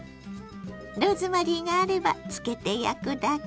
ローズマリーがあれば漬けて焼くだけ。